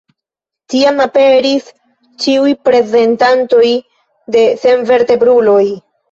Tiam aperis ĉiuj reprezentantoj de senvertebruloj.